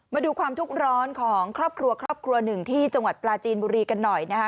มาดูความทุกข์ร้อนของครอบครัวครอบครัวหนึ่งที่จังหวัดปลาจีนบุรีกันหน่อยนะคะ